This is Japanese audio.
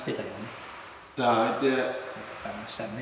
探したね。